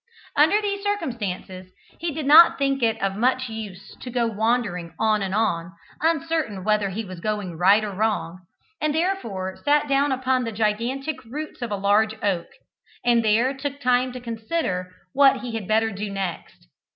Under these circumstances he did not think it of much use to go wandering on and on, uncertain whether he was going right or wrong, and therefore sat down upon the gigantic roots of a large oak, and there took time to consider what he had better do next.